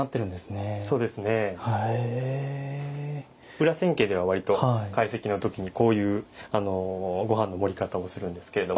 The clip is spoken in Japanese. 裏千家では割と懐石の時にこういうご飯の盛り方をするんですけれども。